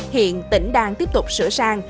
hiện tỉnh đang tiếp tục sửa sang